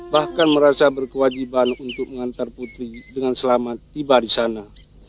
bahkan merasa berkewajiban untuk mengantar putri dengan selamat tiba di sana